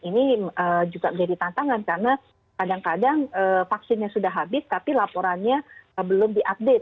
ini juga menjadi tantangan karena kadang kadang vaksinnya sudah habis tapi laporannya belum diupdate